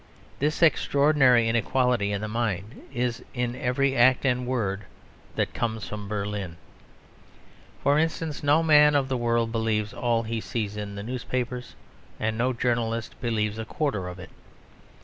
This extraordinary inequality in the mind is in every act and word that comes from Berlin. For instance, no man of the world believes all he sees in the newspapers; and no journalist believes a quarter of it.